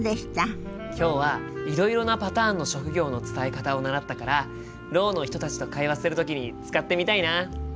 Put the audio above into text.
今日はいろいろなパターンの職業の伝え方を習ったからろうの人たちと会話する時に使ってみたいな。